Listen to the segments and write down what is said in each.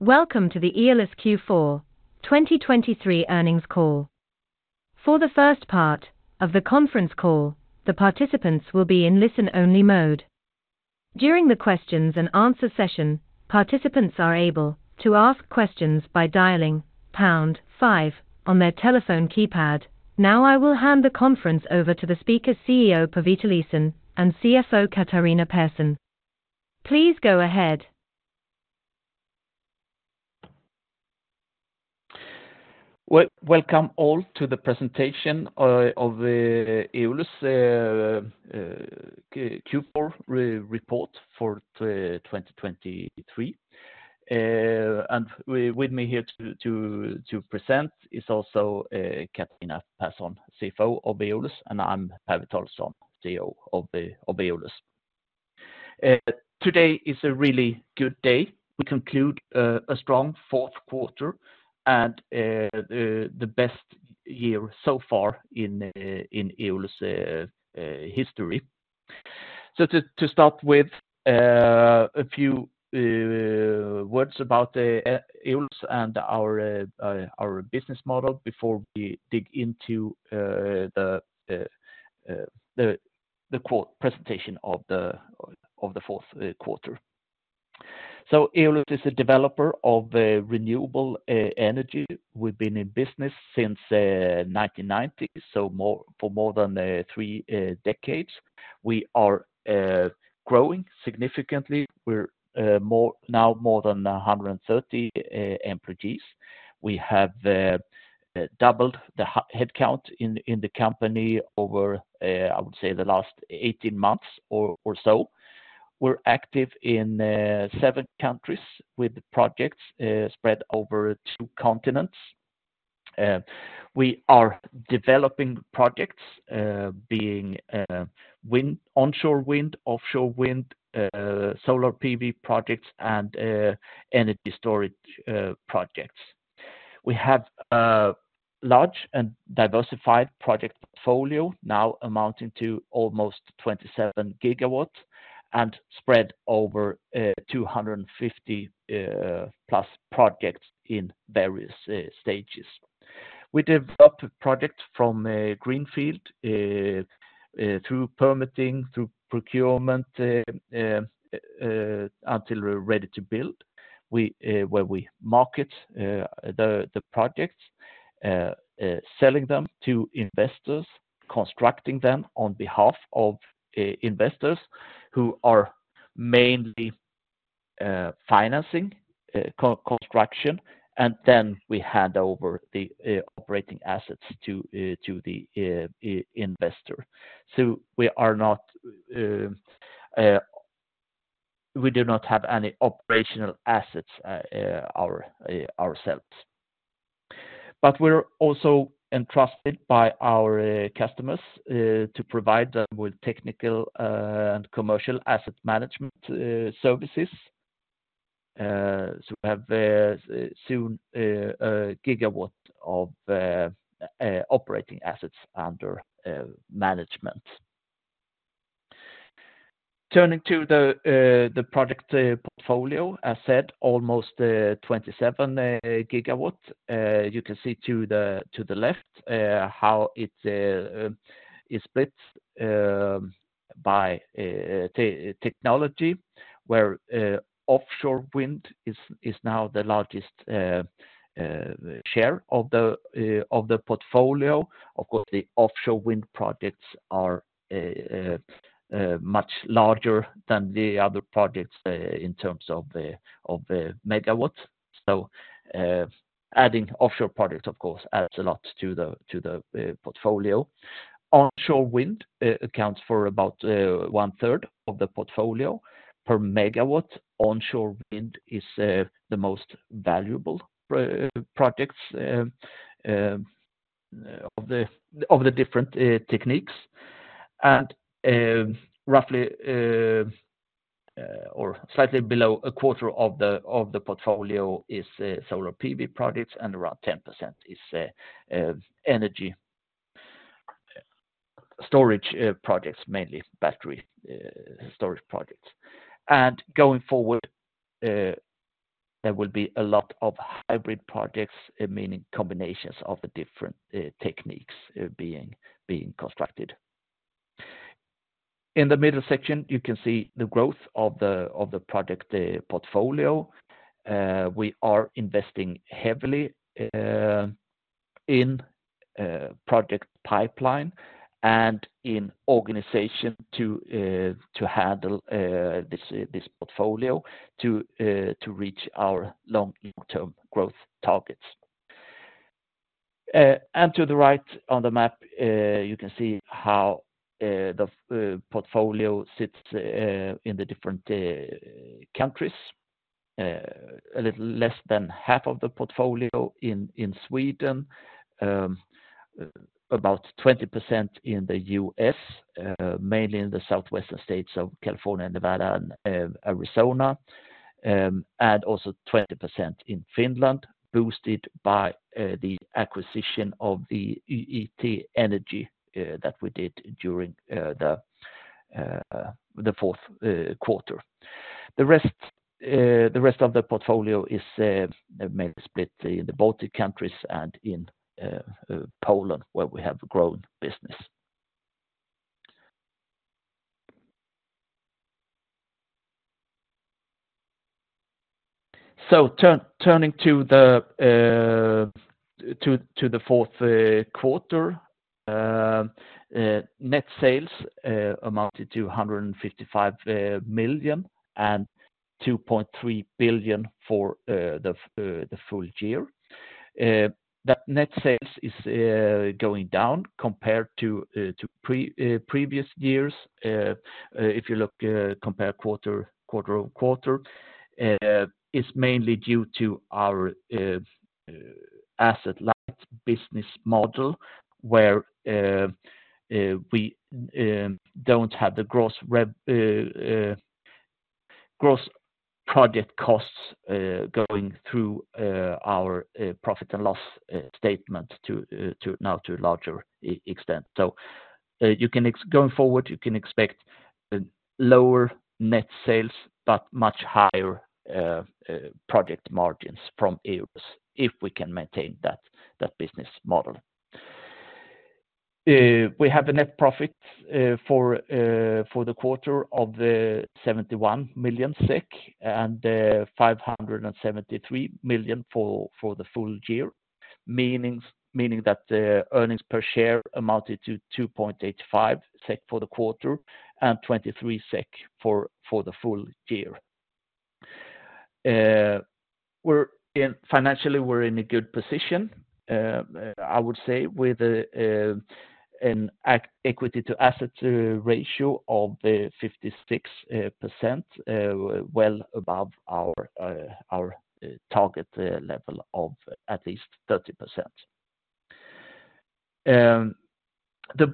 Welcome to the Eolus Q4 2023 earnings call. For the first part of the conference call, the participants will be in listen-only mode. During the questions and answers session, participants are able to ask questions by dialing pound 5 on their telephone keypad. Now I will hand the conference over to the speakers, CEO Per Witalisson and CFO Catharina Persson. Please go ahead. Welcome all to the presentation of the Eolus Q4 report for 2023. With me here to present is also Catharina Persson, CFO of Eolus, and I'm Per Witalisson, CEO of Eolus. Today is a really good day. We conclude a strong fourth quarter and the best year so far in Eolus history. To start with, a few words about Eolus and our business model before we dig into the presentation of the fourth quarter. Eolus is a developer of renewable energy. We've been in business since 1990, so for more than 3 decades. We are growing significantly. We're now more than 130 employees. We have doubled the headcount in the company over, I would say, the last 18 months or so. We're active in 7 countries with projects spread over 2 continents. We are developing projects being onshore wind, offshore wind, solar PV projects, and energy storage projects. We have a large and diversified project portfolio now amounting to almost 27 GW and spread over 250-plus projects in various stages. We develop projects from a greenfield through permitting, through procurement, until ready to build, where we market the projects, selling them to investors, constructing them on behalf of investors who are mainly financing construction, and then we hand over the operating assets to the investor. So we do not have any operational assets ourselves. But we're also entrusted by our customers to provide them with technical and commercial asset management services. So we have soon 1 GW of operating assets under management. Turning to the project portfolio, as said, almost 27 GW. You can see to the left how it is split by technology, where offshore wind is now the largest share of the portfolio. Of course, the offshore wind projects are much larger than the other projects in terms of MW. So adding offshore projects, of course, adds a lot to the portfolio. Onshore wind accounts for about one-third of the portfolio. Per MW, onshore wind is the most valuable project of the different techniques. And roughly or slightly below a quarter of the portfolio is solar PV projects, and around 10% is energy storage projects, mainly battery storage projects. And going forward, there will be a lot of hybrid projects, meaning combinations of the different techniques being constructed. In the middle section, you can see the growth of the project portfolio. We are investing heavily in project pipeline and in organization to handle this portfolio to reach our long-term growth targets. To the right on the map, you can see how the portfolio sits in the different countries. A little less than half of the portfolio in Sweden, about 20% in the U.S., mainly in the southwestern states of California, Nevada, and Arizona, and also 20% in Finland, boosted by the acquisition of the YIT Energy that we did during the fourth quarter. The rest of the portfolio is mainly split in the Baltic countries and in Poland, where we have grown business. Turning to the fourth quarter, net sales amounted to 155 million and 2.3 billion for the full year. That net sales is going down compared to previous years. If you look compare quarter-over-quarter, it's mainly due to our asset-light business model, where we don't have the gross project costs going through our profit and loss statement now to a larger extent. So going forward, you can expect lower net sales but much higher project margins from Eolus if we can maintain that business model. We have a net profit for the quarter of 71 million SEK and 573 million for the full year, meaning that earnings per share amounted to 2.85 SEK for the quarter and 23 SEK for the full year. Financially, we're in a good position, I would say, with an equity-to-assets ratio of 56%, well above our target level of at least 30%. The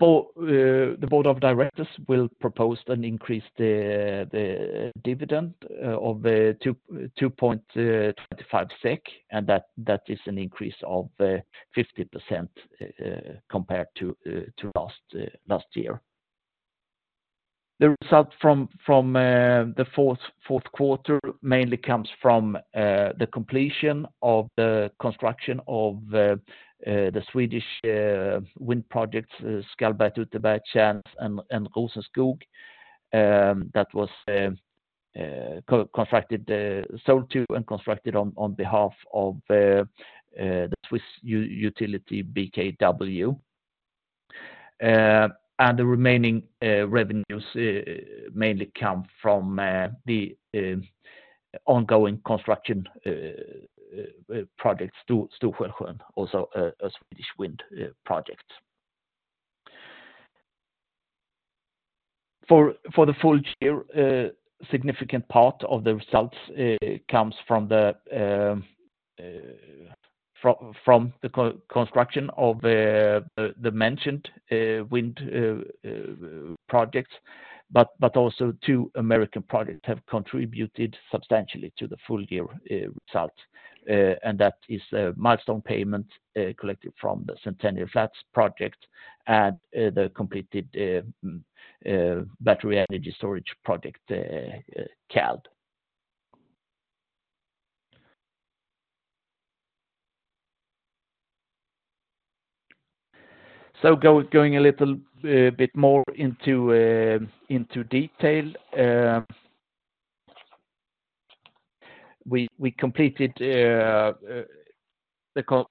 board of directors will propose an increase in the dividend of 2.25 SEK, and that is an increase of 50% compared to last year. The result from the fourth quarter mainly comes from the completion of the construction of the Swedish wind projects Skallberget, Utöberg, Tjärnäs, and Rosenskog that was sold to and constructed on behalf of the Swiss utility BKW. And the remaining revenues mainly come from the ongoing construction projects Storsjöhöjden, also a Swedish wind project. For the full year, a significant part of the results comes from the construction of the mentioned wind projects. But also 2 American projects have contributed substantially to the full-year results. And that is a milestone payment collected from the Centennial Flats project and the completed battery energy storage project CalD. So going a little bit more into detail, we completed the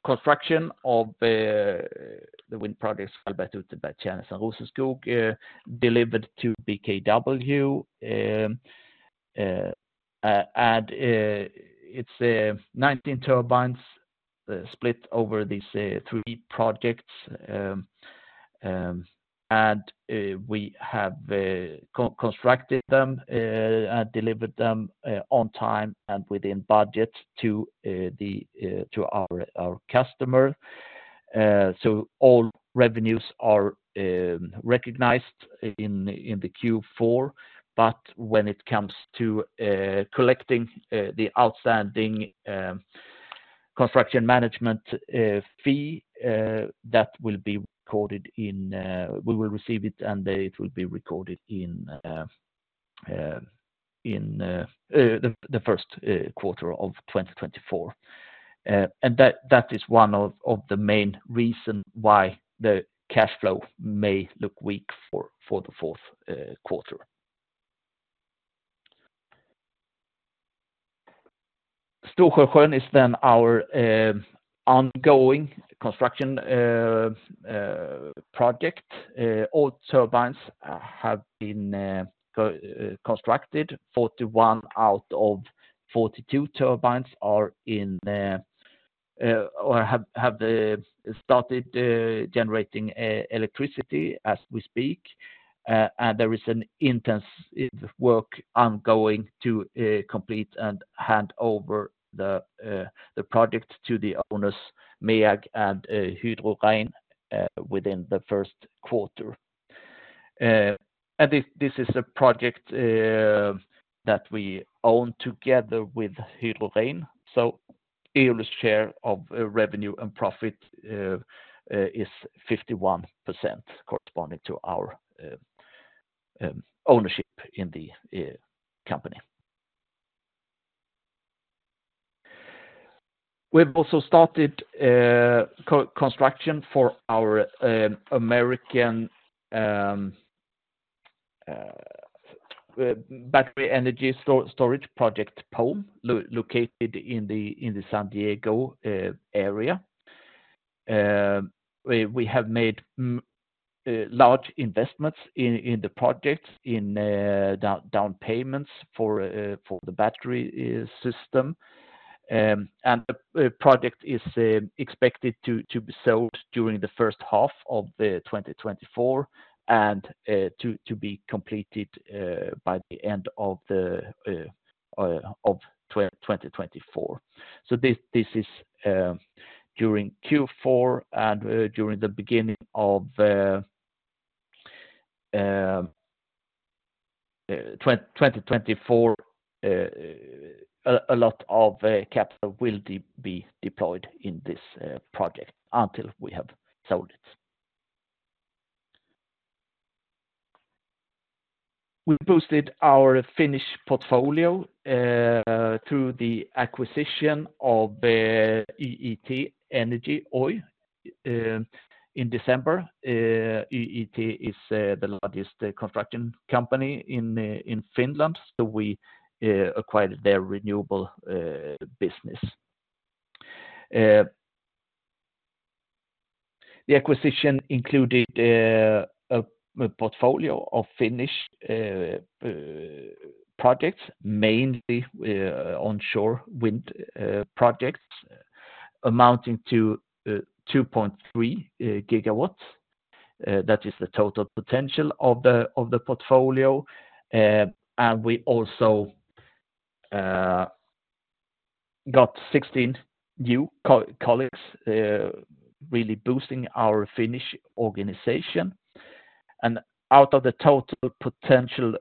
construction of the wind projects Skallberget, Utöberg, Tjärnäs, and Rosenskog delivered to BKW. And it's 19 turbines split over these 3 projects. And we have constructed them and delivered them on time and within budget to our customer. So all revenues are recognized in the Q4. But when it comes to collecting the outstanding construction management fee, that will be recorded in we will receive it, and it will be recorded in the first quarter of 2024. And that is 1 of the main reasons why the cash flow may look weak for the fourth quarter. Storsjöhöjden is then our ongoing construction project. All turbines have been constructed. 41 out of 42 turbines have started generating electricity as we speak. And there is intense work ongoing to complete and hand over the project to the owners MEAG and Hydro Rein within the first quarter. And this is a project that we own together with Hydro Rein. So Eolus' share of revenue and profit is 51% corresponding to our ownership in the company. We've also started construction for our American battery energy storage project Pome located in the San Diego area. We have made large investments in the projects in down payments for the battery system. The project is expected to be sold during the first half of 2024 and to be completed by the end of 2024. This is during Q4 and during the beginning of 2024, a lot of capital will be deployed in this project until we have sold it. We boosted our Finnish portfolio through the acquisition of YIT Energy Oy in December. YIT is the largest construction company in Finland. We acquired their renewable business. The acquisition included a portfolio of Finnish projects, mainly onshore wind projects, amounting to 2.3 GW. That is the total potential of the portfolio. We also got 16 new colleagues really boosting our Finnish organization. Out of the total potential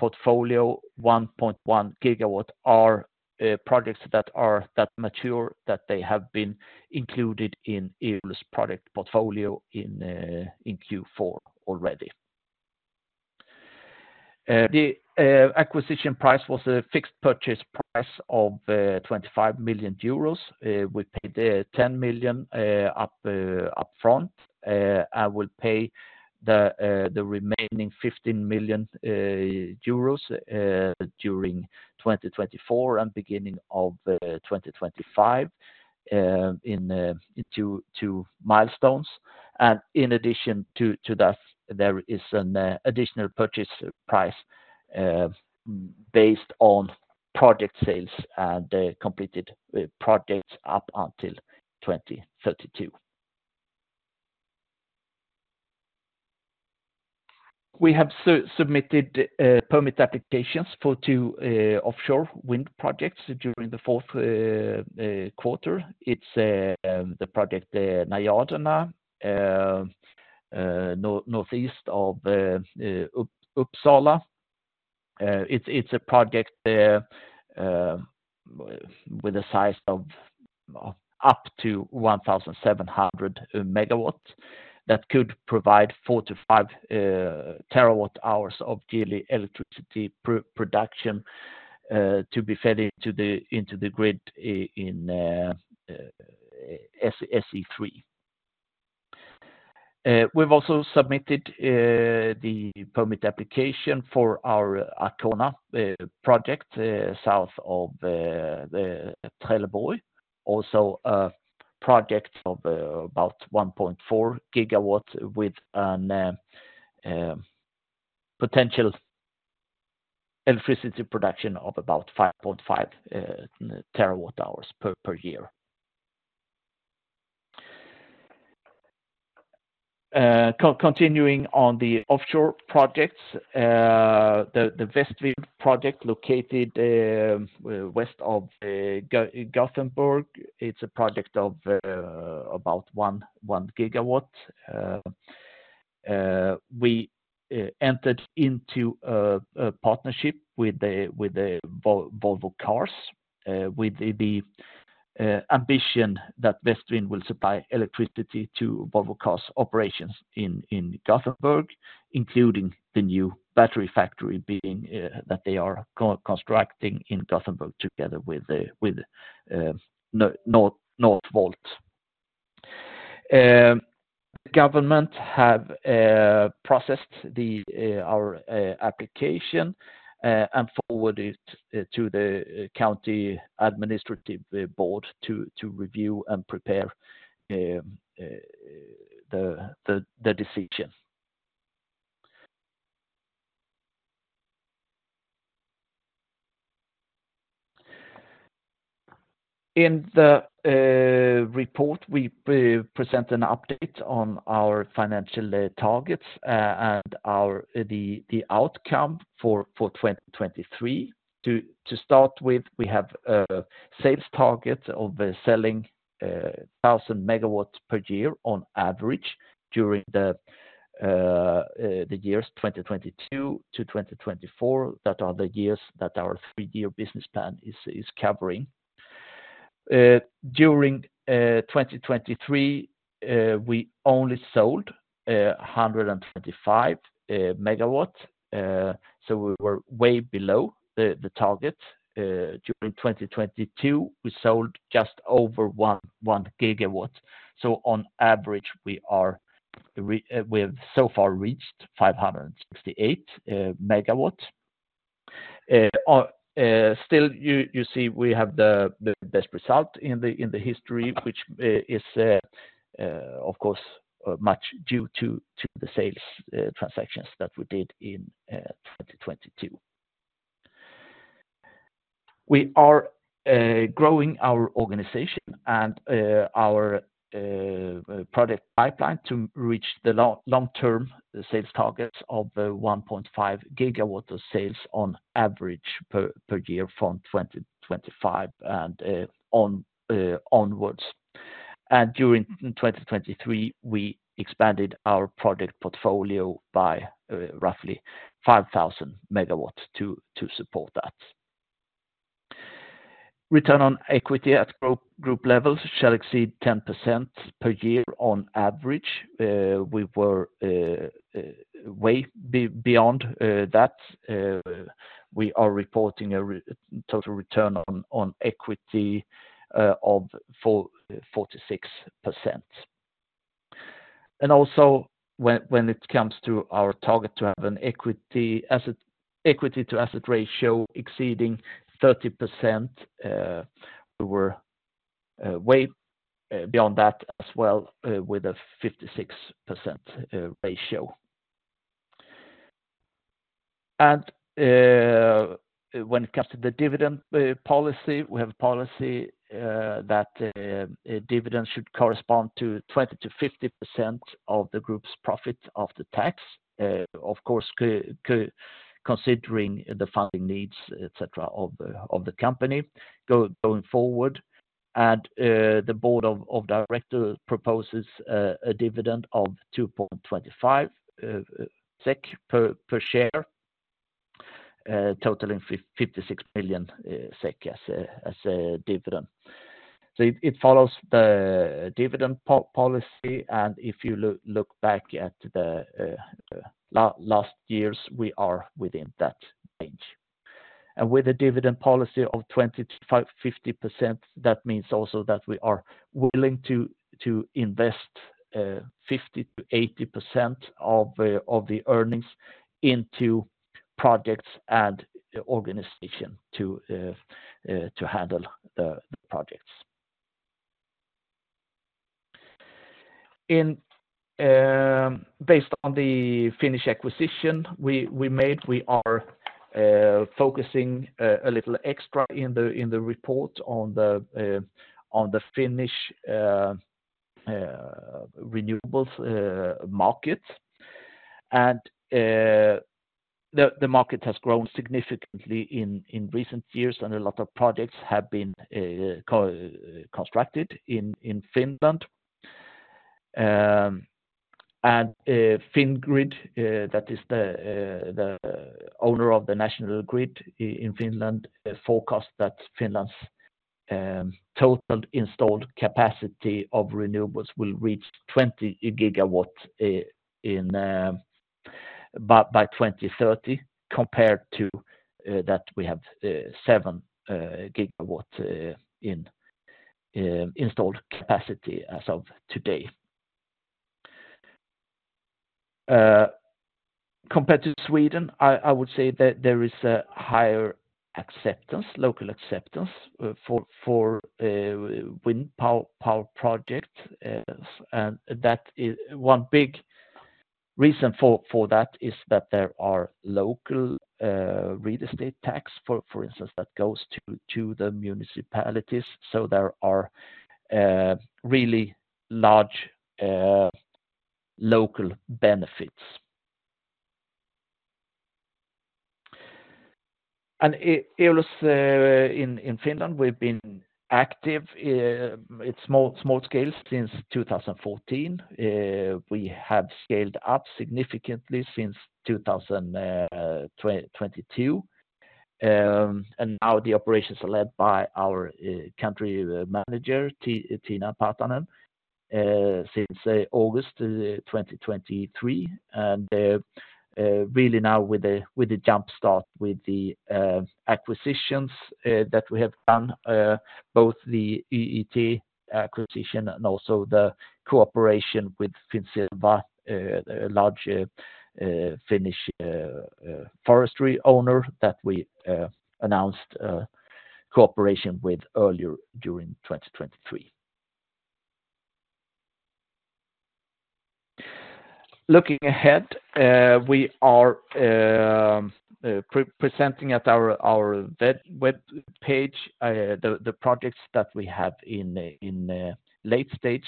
portfolio, 1.1 GW are projects that are that mature that they have been included in Eolus' project portfolio in Q4 already. The acquisition price was a fixed purchase price of 25 million euros. We paid 10 million upfront and will pay the remaining 15 million euros during 2024 and beginning of 2025 in 2 milestones. And in addition to that, there is an additional purchase price based on project sales and completed projects up until 2032. We have submitted permit applications for 2 offshore wind projects during the fourth quarter. It's the project Najaderna, northeast of Uppsala. It's a project with a size of up to 1,700 MW that could provide 4-5 TWh of yearly electricity production to be fed into the grid in SE3. We've also submitted the permit application for our Arkona project south of Trelleborg, also a project of about 1.4 GW with a potential electricity production of about 5.5 TWh per year. Continuing on the offshore projects, the Vestvind project located west of Gothenburg, it's a project of about 1 GW. We entered into a partnership with Volvo Cars with the ambition that Vestvind will supply electricity to Volvo Cars' operations in Gothenburg, including the new battery factory that they are constructing in Gothenburg together with Northvolt. The government has processed our application and forwarded it to the county administrative board to review and prepare the decision. In the report, we present an update on our financial targets and the outcome for 2023. To start with, we have sales targets of selling 1,000 MW per year on average during the years 2022 to 2024. That are the years that our 3-year business plan is covering. During 2023, we only sold 125 MW. So we were way below the target. During 2022, we sold just over 1 GW. So on average, we have so far reached 568 MW. Still, you see, we have the best result in the history, which is, of course, much due to the sales transactions that we did in 2022. We are growing our organization and our project pipeline to reach the long-term sales targets of 1.5 GW of sales on average per year from 2025 and onwards. And during 2023, we expanded our project portfolio by roughly 5,000 MW to support that. Return on equity at group levels shall exceed 10% per year on average. We were way beyond that. We are reporting a total return on equity of 46%. Also, when it comes to our target to have an equity-to-asset ratio exceeding 30%, we were way beyond that as well with a 56% ratio. When it comes to the dividend policy, we have a policy that dividends should correspond to 20%-50% of the group's profit after tax, of course, considering the funding needs, etc., of the company going forward. The board of directors proposes a dividend of 2.25 SEK per share, totaling 56 million SEK as a dividend. So it follows the dividend policy. If you look back at the last years, we are within that range. With a dividend policy of 20%-50%, that means also that we are willing to invest 50%-80% of the earnings into projects and organization to handle the projects. Based on the Finnish acquisition we made, we are focusing a little extra in the report on the Finnish renewables market. The market has grown significantly in recent years, and a lot of projects have been constructed in Finland. Fingrid, that is the owner of the national grid in Finland, forecasts that Finland's total installed capacity of renewables will reach 20 GW by 2030, compared to that we have 7 GW in installed capacity as of today. Compared to Sweden, I would say that there is a higher local acceptance for wind power projects. One big reason for that is that there are local real estate tax, for instance, that goes to the municipalities. So there are really large local benefits. Eolus in Finland, we've been active at small scale since 2014. We have scaled up significantly since 2022. Now the operations are led by our country manager, Tiina Partanen, since August 2023. Really now with the jumpstart with the acquisitions that we have done, both the YIT acquisition and also the cooperation with Finsilva, a large Finnish forestry owner that we announced cooperation with earlier during 2023. Looking ahead, we are presenting at our web page the projects that we have in late-stage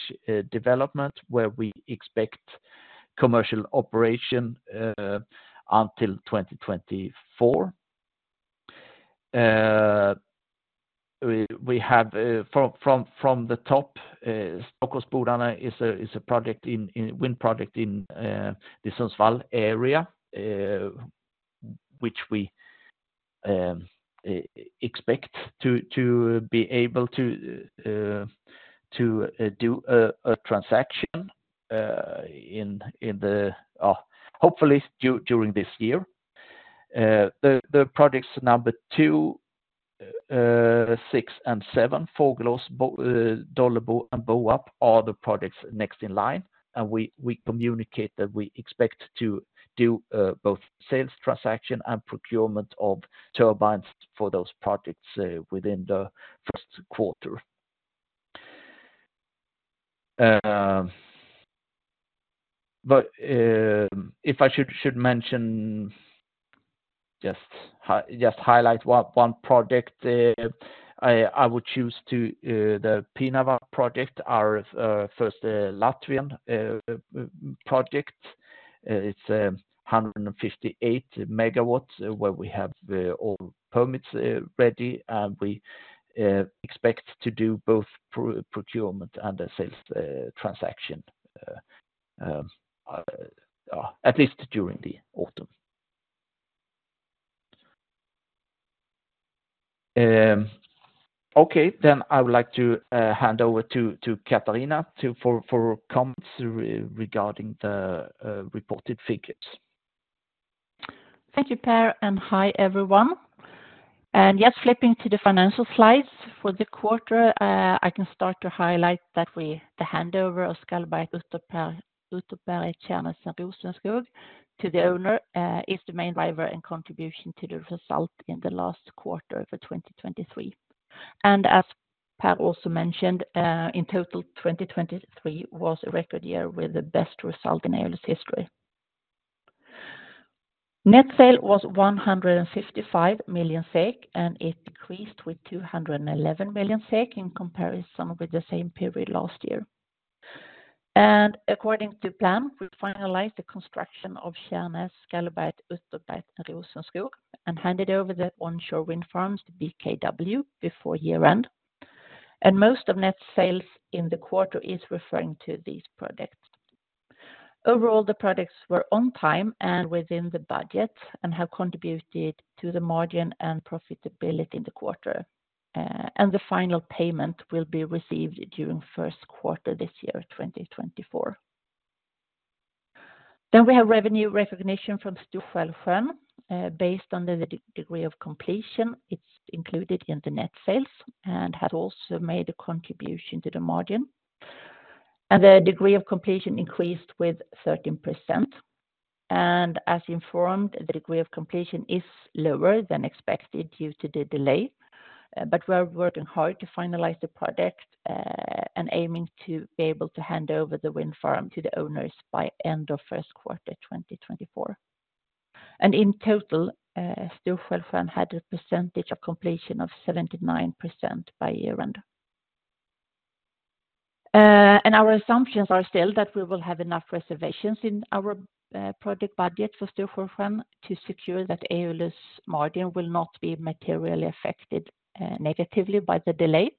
development where we expect commercial operation until 2024. We have from the top, Stockåsbodarna is a wind project in the Sundsvall area, which we expect to be able to do a transaction in the hopefully during this year. The projects number 2, 6, and 7, Fågelås, Dållebo, and Boarp are the projects next in line. We communicate that we expect to do both sales transaction and procurement of turbines for those projects within the first quarter. But if I should mention, just highlight 1 project, I would choose the Pienava project, our first Latvian project. It's 158 MW where we have all permits ready. And we expect to do both procurement and a sales transaction, at least during the autumn. Okay, then I would like to hand over to Catharina for comments regarding the reported figures. Thank you, Per. And hi, everyone. And yes, flipping to the financial slides for the quarter, I can start to highlight that the handover of Skallberget, Utöberg and Tjärnäs and Rosenskog to the owner is the main driver and contribution to the result in the last quarter of 2023. And as Per also mentioned, in total, 2023 was a record year with the best result in Eolus history. Net sale was 155 million SEK, and it decreased with 211 million SEK in comparison with the same period last year. According to plan, we finalized the construction of Tjärnäs, Skallberget, Utöberg, and Rosenskog and handed over the onshore wind farms to BKW before year-end. Most of net sales in the quarter is referring to these projects. Overall, the projects were on time and within the budget and have contributed to the margin and profitability in the quarter. The final payment will be received during first quarter this year, 2024. We have revenue recognition from Storsjöhöjden. Based on the degree of completion, it's included in the net sales and has also made a contribution to the margin. The degree of completion increased with 13%. As informed, the degree of completion is lower than expected due to the delay. But we are working hard to finalize the project and aiming to be able to hand over the wind farm to the owners by end of first quarter 2024. And in total, Storsjöhöjden had a percentage of completion of 79% by year-end. And our assumptions are still that we will have enough reservations in our project budget for Storsjöhöjden to secure that Eolus margin will not be materially affected negatively by the delay.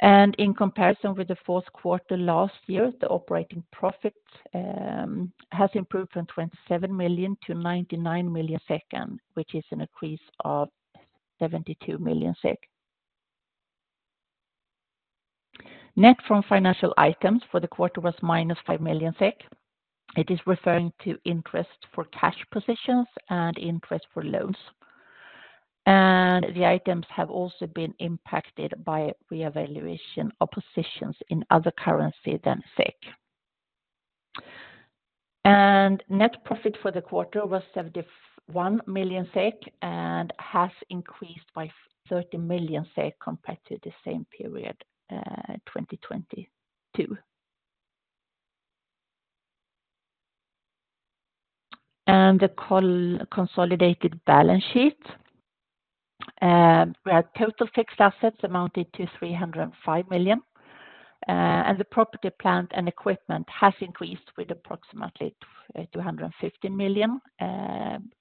And in comparison with the fourth quarter last year, the operating profit has improved from 27 million to 99 million, which is an increase of 72 million SEK. Net from financial items for the quarter was minus 5 million SEK. It is referring to interest for cash positions and interest for loans. And the items have also been impacted by reevaluation of positions in other currency than SEK. Net profit for the quarter was 71 million SEK and has increased by 30 million SEK compared to the same period, 2022. The consolidated balance sheet, we had total fixed assets amounting to 305 million. The property plant and equipment has increased with approximately 250 million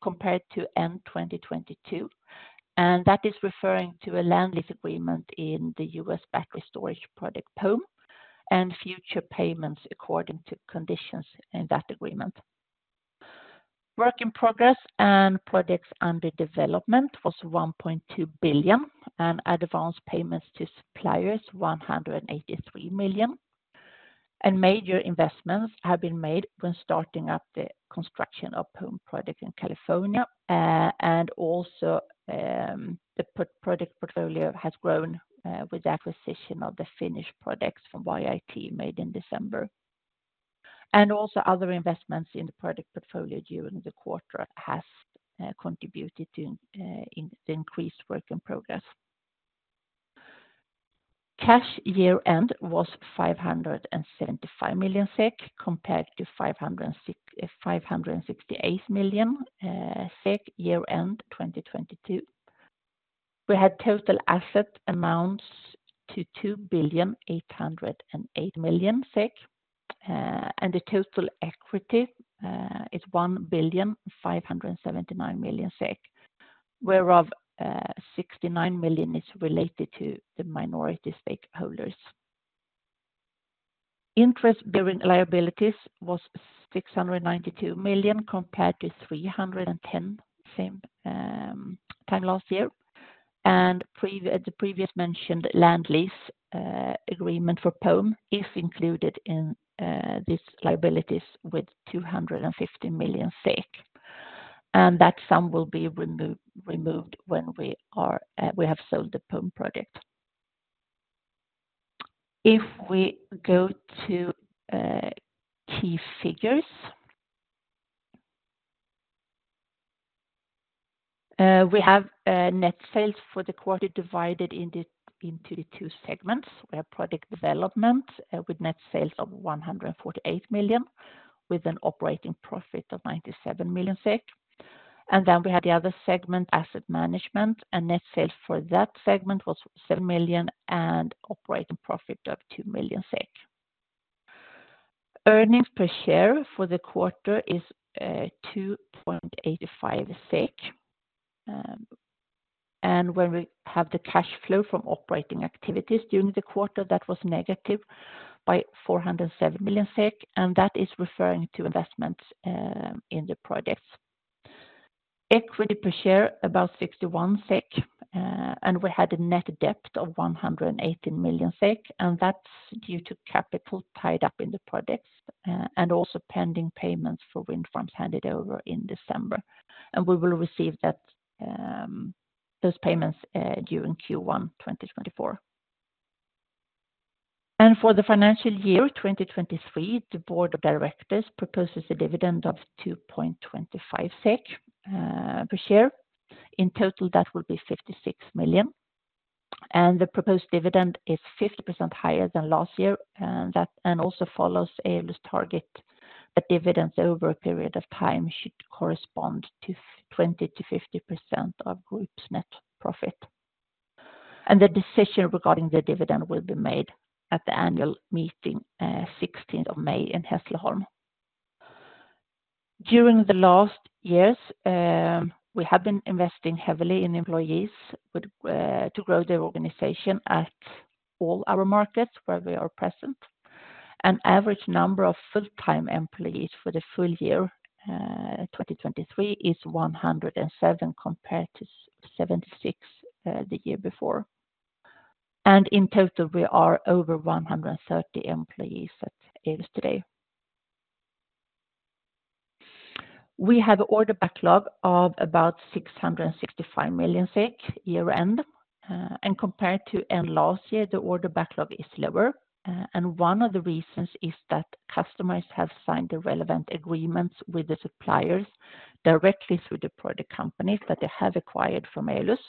compared to end 2022. That is referring to a land lease agreement in the U.S. battery storage project Pome and future payments according to conditions in that agreement. Work in progress and projects under development was 1.2 billion and advance payments to suppliers, 183 million. Major investments have been made when starting up the construction of Pome project in California. The project portfolio has grown with the acquisition of the Finnish projects from YIT made in December. Other investments in the project portfolio during the quarter have contributed to the increased work in progress. Cash at year-end was 575 million SEK compared to 568 million SEK year-end 2022. We had total asset amounts to 2,808 million SEK. The total equity is 1,579 million SEK, whereof 69 million is related to the minority stakeholders. Interest-bearing liabilities was 692 million compared to 310 million same time last year. The previously mentioned land lease agreement for Pome is included in these liabilities with 250 million. That sum will be removed when we have sold the Pome project. If we go to key figures, we have net sales for the quarter divided into 2 segments. We have project development with net sales of 148 million with an operating profit of 97 million SEK. Then we had the other segment, asset management. Net sales for that segment was 7 million and operating profit of 2 million SEK. Earnings per share for the quarter is 2.85 SEK. When we have the cash flow from operating activities during the quarter, that was negative by 407 million SEK. That is referring to investments in the projects. Equity per share, about 61 SEK. We had a net debt of 118 million SEK. That's due to capital tied up in the projects and also pending payments for wind farms handed over in December. We will receive those payments during Q1 2024. For the financial year 2023, the board of directors proposes a dividend of 2.25 SEK per share. In total, that will be 56 million. The proposed dividend is 50% higher than last year. It also follows Eolus target that dividends over a period of time should correspond to 20%-50% of group's net profit. The decision regarding the dividend will be made at the annual meeting, 16th of May, in Hässleholm. During the last years, we have been investing heavily in employees to grow the organization at all our markets where we are present. An average number of full-time employees for the full year, 2023, is 107 compared to 76 the year before. In total, we are over 130 employees at Eolus today. We have an order backlog of about 665 million SEK year-end. Compared to end last year, the order backlog is lower. One of the reasons is that customers have signed the relevant agreements with the suppliers directly through the project companies that they have acquired from Eolus.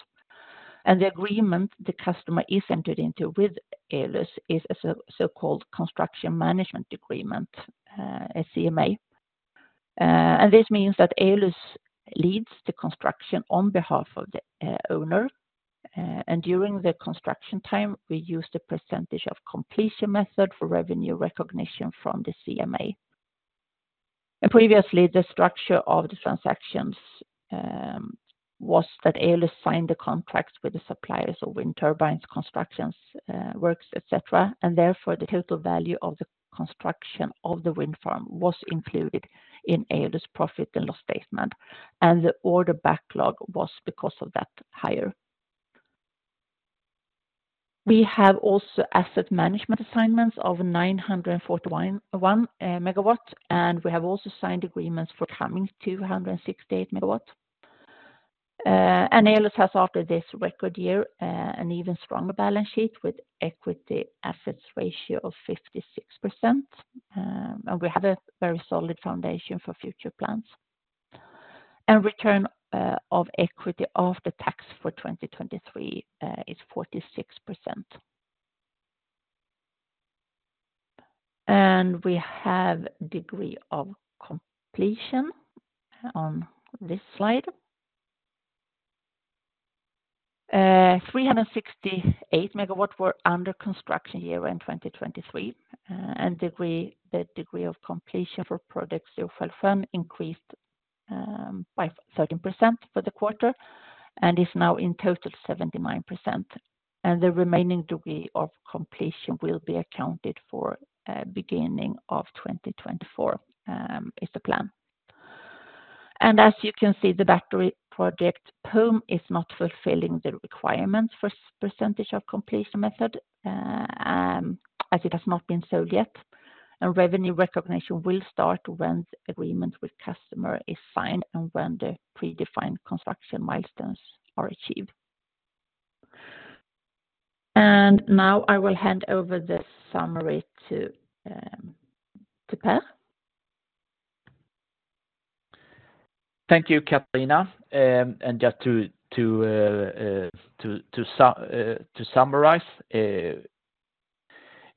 The agreement the customer is entered into with Eolus is a so-called construction management agreement, a CMA. This means that Eolus leads the construction on behalf of the owner. During the construction time, we use the percentage of completion method for revenue recognition from the CMA. Previously, the structure of the transactions was that Eolus signed the contracts with the suppliers of wind turbines, construction works, etc. Therefore, the total value of the construction of the wind farm was included in Eolus' profit and loss statement. The order backlog was because of that higher. We have also asset management assignments of 941 MW. We have also signed agreements for coming 268 MW. Eolus has after this record year an even stronger balance sheet with equity-assets ratio of 56%. We have a very solid foundation for future plans. Return of equity after tax for 2023 is 46%. We have degree of completion on this slide. 368 MW were under construction year-end 2023. The degree of completion for project Storsjöhöjden increased by 13% for the quarter and is now in total 79%. The remaining degree of completion will be accounted for beginning of 2024, is the plan. As you can see, the battery project Pome is not fulfilling the requirements for percentage of completion Method as it has not been sold yet. Revenue recognition will start when the agreement with customer is signed and when the predefined construction milestones are achieved. Now I will hand over the summary to Per. Thank you, Catharina. Just to summarize,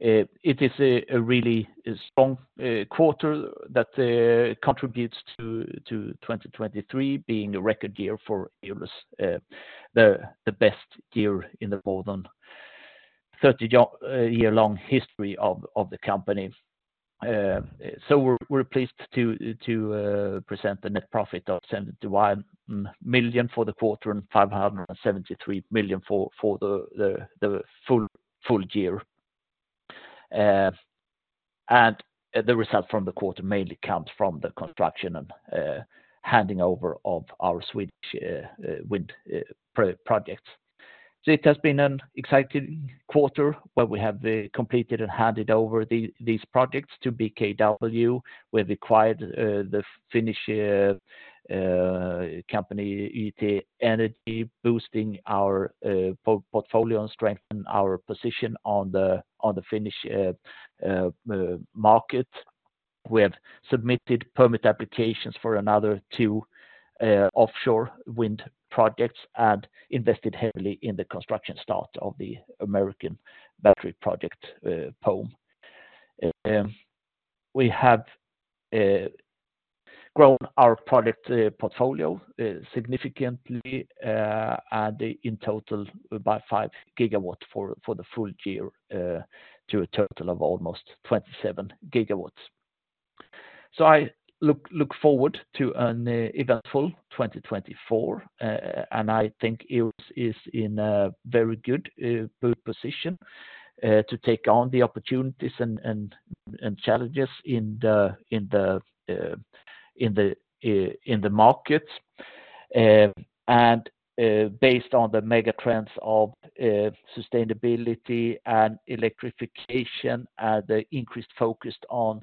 it is a really strong quarter that contributes to 2023 being a record year for Eolus, the best year in the more than 30-year-long history of the company. We're pleased to present the net profit of 71 million for the quarter and 573 million for the full year. The result from the quarter mainly comes from the construction and handing over of our Swedish wind projects. It has been an exciting quarter where we have completed and handed over these projects to BKW. We have acquired the Finnish company YIT Energy, boosting our portfolio and strengthening our position on the Finnish market. We have submitted permit applications for another 2 offshore wind projects and invested heavily in the construction start of the American battery project Pome. We have grown our project portfolio significantly and in total by 5 GW for the full year to a total of almost 27 GW. I look forward to an eventful 2024. And I think Eolus is in a very good position to take on the opportunities and challenges in the markets. And based on the megatrends of sustainability and electrification and the increased focus on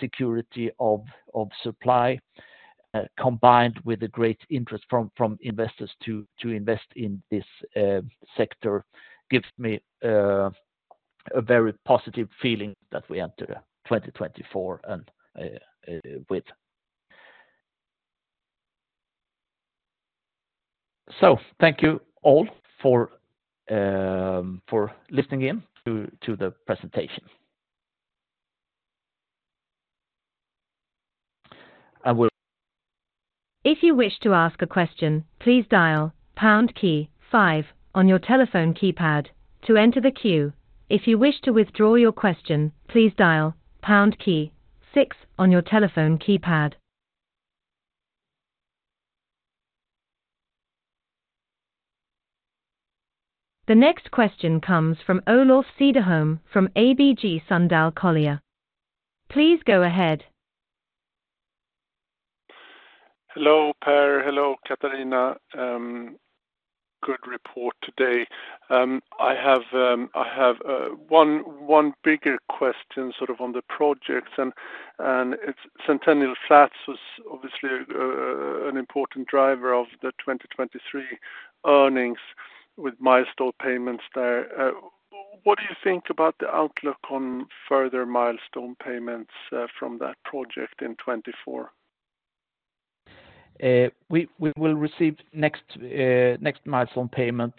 security of supply, combined with the great interest from investors to invest in this sector, gives me a very positive feeling that we enter 2024 with. So thank you all for listening in to the presentation. I will. If you wish to ask a question, please dial pound key 5 on your telephone keypad to enter the queue. If you wish to withdraw your question, please dial pound key 6 on your telephone keypad. The next question comes from Olof Cederholm from ABG Sundal Collier. Please go ahead. Hello, Per. Hello, Catharina. Good report today. I have one bigger question sort of on the projects. Centennial Flats was obviously an important driver of the 2023 earnings with milestone payments there. What do you think about the outlook on further milestone payments from that project in 2024? We will receive next milestone payment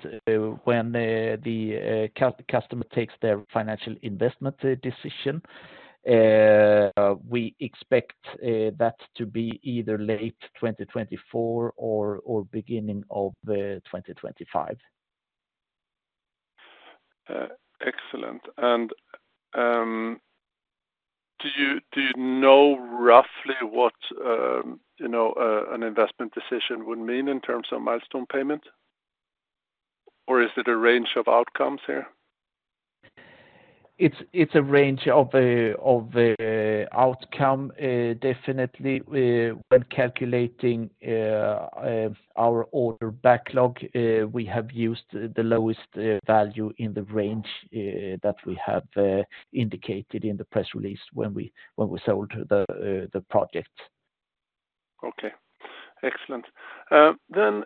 when the customer takes their financial investment decision. We expect that to be either late 2024 or beginning of 2025. Excellent. And do you know roughly what an investment decision would mean in terms of milestone payment? Or is it a range of outcomes here? It's a range of outcomes, definitely. When calculating our order backlog, we have used the lowest value in the range that we have indicated in the press release when we sold the project. Okay. Excellent. Then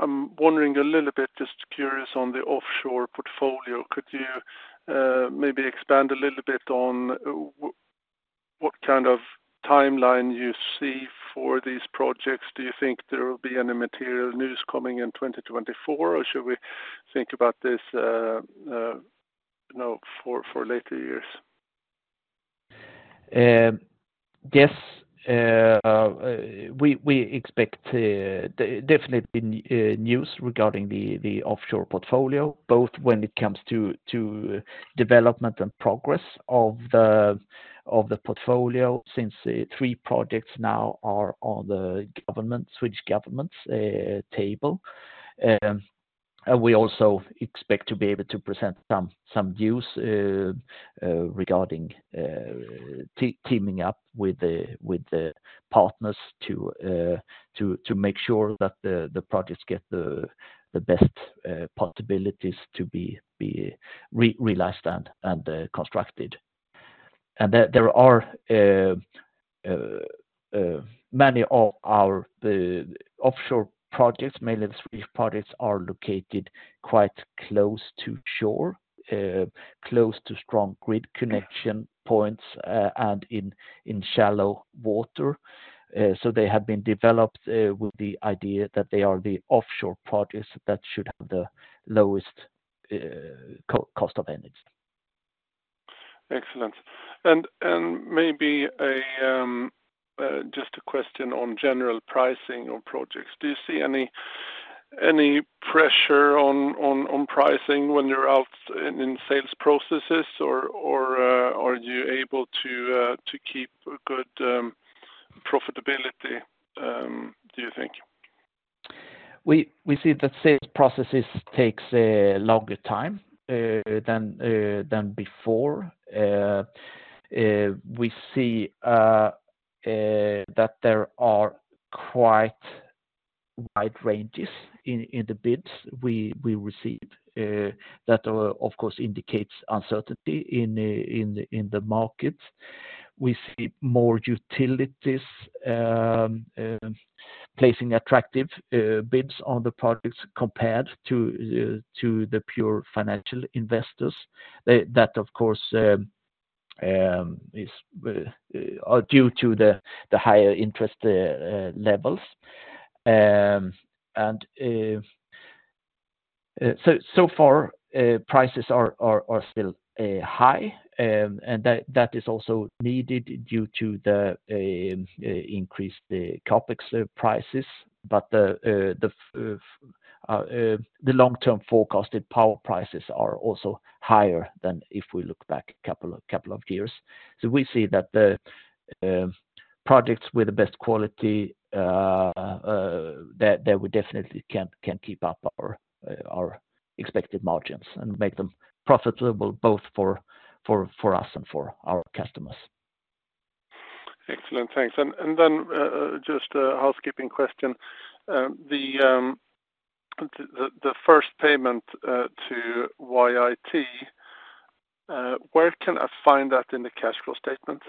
I'm wondering a little bit, just curious on the offshore portfolio, could you maybe expand a little bit on what kind of timeline you see for these projects? Do you think there will be any material news coming in 2024, or should we think about this for later years? Yes. We expect definitely news regarding the offshore portfolio, both when it comes to development and progress of the portfolio since 3 projects now are on the Swedish government's table. And we also expect to be able to present some news regarding teaming up with the partners to make sure that the projects get the best possibilities to be realized and constructed. And there are many of our offshore projects, mainly the Swedish projects, are located quite close to shore, close to strong grid connection points, and in shallow water. So they have been developed with the idea that they are the offshore projects that should have the lowest cost of energy. Excellent. And maybe just a question on general pricing of projects. Do you see any pressure on pricing when you're out in sales processes, or are you able to keep good profitability, do you think? We see that sales processes take longer time than before. We see that there are quite wide ranges in the bids we receive. That, of course, indicates uncertainty in the markets. We see more utilities placing attractive bids on the projects compared to the pure financial investors. That, of course, is due to the higher interest levels. And so far, prices are still high. And that is also needed due to the increased CAPEX prices. But the long-term forecasted power prices are also higher than if we look back a couple of years. So we see that the projects with the best quality, that we definitely can keep up our expected margins and make them profitable both for us and for our customers. Excellent. Thanks. And then just a housekeeping question. The first payment to YIT, where can I find that in the cash flow statement?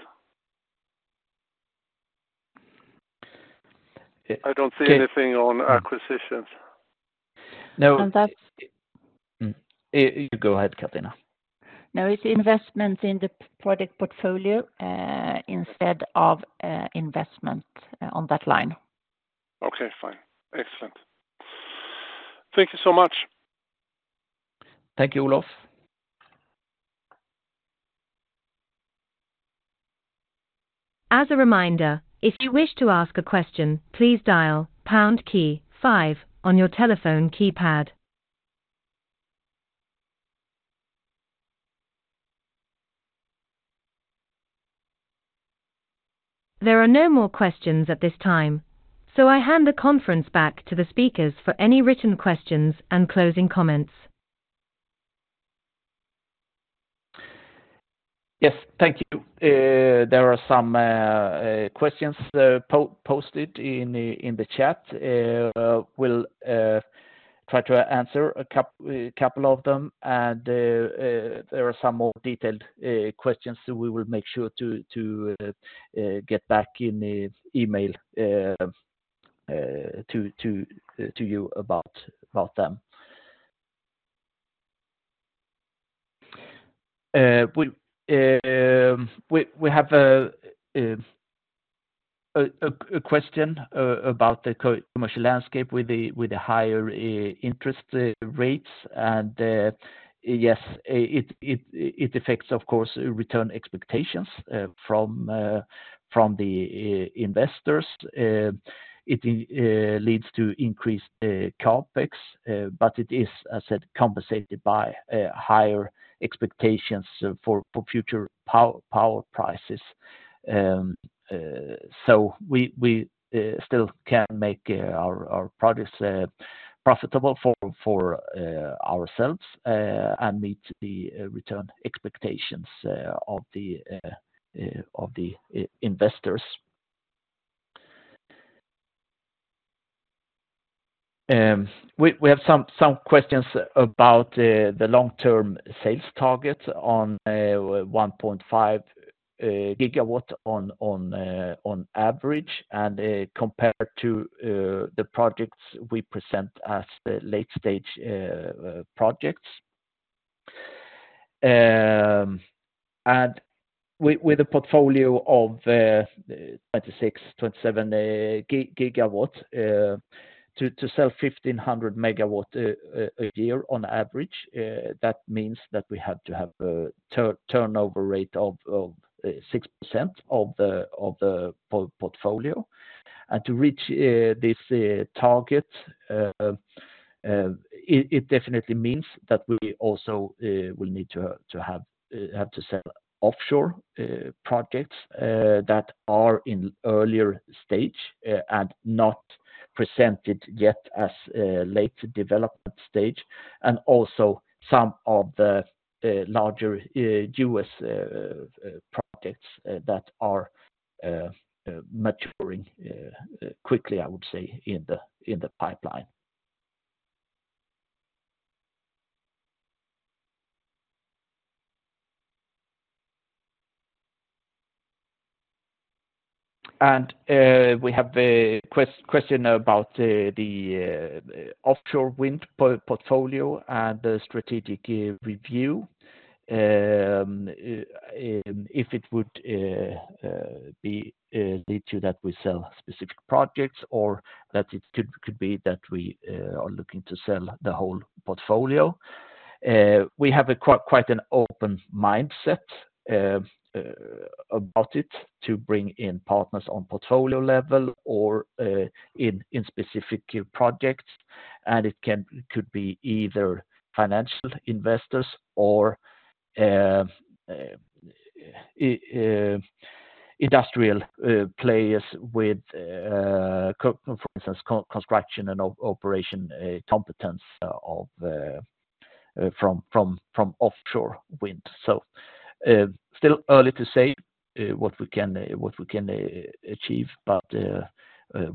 I don't see anything on acquisitions. No. And that's—you go ahead, Catharina. No, it's investments in the project portfolio instead of investment on that line. Okay. Fine. Excellent. Thank you so much. Thank you, Olof. As a reminder, if you wish to ask a question, please dial pound key 5 on your telephone keypad. There are no more questions at this time, so I hand the conference back to the speakers for any written questions and closing comments. Yes. Thank you. There are some questions posted in the chat. We'll try to answer a couple of them. And there are some more detailed questions we will make sure to get back in email to you about them. We have a question about the commercial landscape with the higher interest rates. Yes, it affects, of course, return expectations from the investors. It leads to increased CAPEX, but it is, as said, compensated by higher expectations for future power prices. We still can make our products profitable for ourselves and meet the return expectations of the investors. We have some questions about the long-term sales target on 1.5 GW on average and compared to the projects we present as late-stage projects. With a portfolio of 26-27 GW, to sell 1,500 MW a year on average, that means that we have to have a turnover rate of 6% of the portfolio. To reach this target, it definitely means that we also will need to have to sell offshore projects that are in earlier stage and not presented yet as late development stage and also some of the larger U.S. projects that are maturing quickly, I would say, in the pipeline. We have a question about the offshore wind portfolio and the strategic review. If it would lead to that we sell specific projects or that it could be that we are looking to sell the whole portfolio. We have quite an open mindset about it to bring in partners on portfolio level or in specific projects. It could be either financial investors or industrial players with, for instance, construction and operation competence from offshore wind. Still early to say what we can achieve, but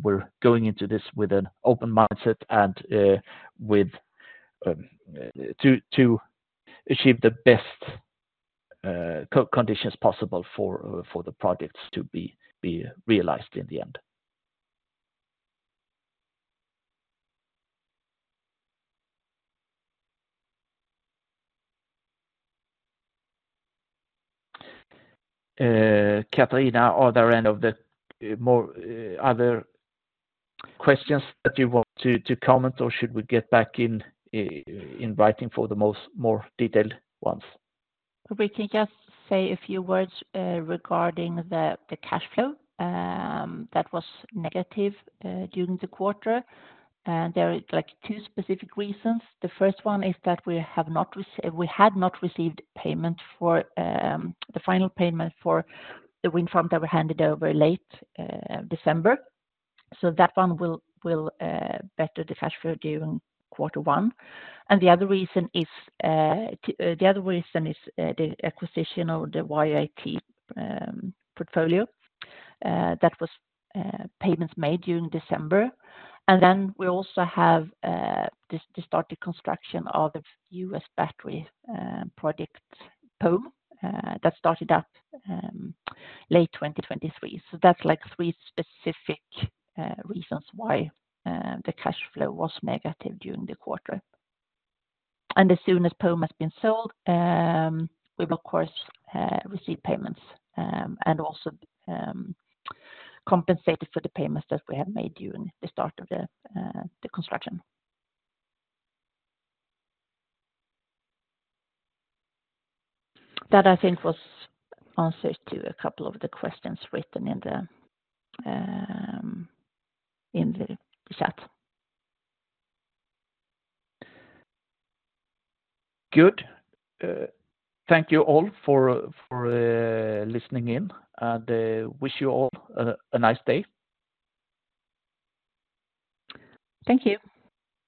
we're going into this with an open mindset and with two. Achieve the best conditions possible for the projects to be realized in the end. Catharina, are there any other questions that you want to comment, or should we get back in writing for the more detailed ones? We can just say a few words regarding the cash flow that was negative during the quarter. There are 2 specific reasons. The first one is that we had not received payment for the final payment for the wind farm that we handed over late December. So that one will better the cash flow during quarter one. The other reason is the acquisition of the YIT portfolio. That was payments made during December. And then we also have the started construction of the US battery project, Pome, that started up late 2023. So that's 3 specific reasons why the cash flow was negative during the quarter. As soon as Pome has been sold, we will, of course, receive payments and also compensate for the payments that we have made during the start of the construction. That, I think, was answers to a couple of the questions written in the chat. Good. Thank you all for listening in. And wish you all a nice day. Thank you.